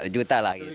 tujuh juta lah